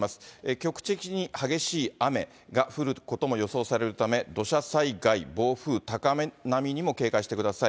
局地的に激しい雨が降ることも予想されるため、土砂災害、暴風、高波にも警戒してください。